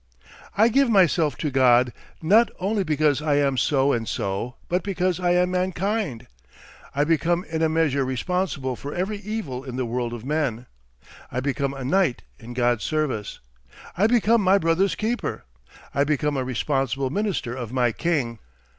I give myself to God not only because I am so and so but because I am mankind. I become in a measure responsible for every evil in the world of men. I become a knight in God's service. I become my brother's keeper. I become a responsible minister of my King.